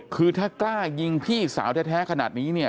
คือถ้ากล้ายิงพี่สาวแท้ขนาดนี้เนี่ย